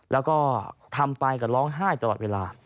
แล้วก็ทำไปก็ร้องไห้ตลอดเวลา